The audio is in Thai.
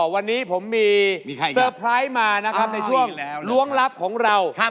วันนี้ผมมีเตอร์ไพรส์มานะครับในช่วงล้วงลับของเรา